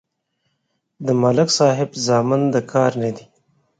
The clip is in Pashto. د ملک صاحب زامن د کار نه دي.